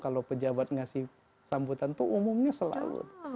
kalau pejabat ngasih sambutan itu umumnya selalu